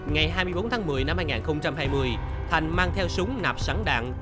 ngày hai mươi bốn tháng một mươi năm hai nghìn hai mươi thành mang theo súng nạp sẵn đạn